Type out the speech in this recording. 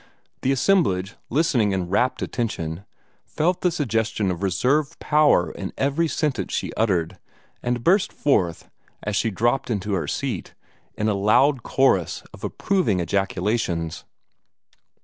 The assemblage, listening in rapt attention, felt the suggestion of reserved power in every sentence she uttered, and burst forth, as she dropped into her seat, in a loud chorus of approving ejaculations.